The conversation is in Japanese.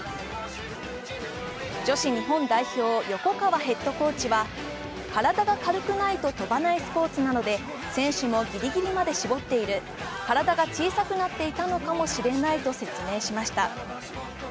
女子日本代表、横川ヘッドコーチは体が軽くないと飛ばないスポーツなので、選手もギリギリで絞っている、体が小さくなっていたのかもしれないと説明しました。